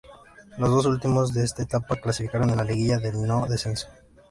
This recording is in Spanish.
Los dos últimos de esta etapa clasificaron a la Liguilla del No Descenso.